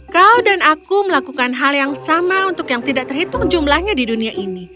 kau dan aku melakukan hal yang sama untuk yang tidak terhitung jumlahnya di dunia ini